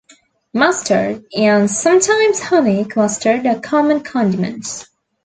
Mustard and sometimes honey mustard are common condiments.